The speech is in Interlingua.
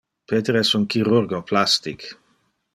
Peter es un chirurgo plastic.